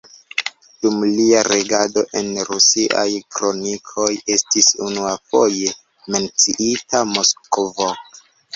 Dum lia regado en rusiaj kronikoj estis unuafoje menciita Moskvo.